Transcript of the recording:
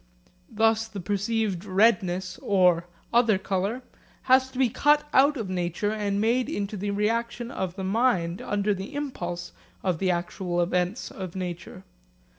Thus the perceived redness or, other colour has to be cut out of nature and made into the reaction of the mind under the impulse of the actual events of nature.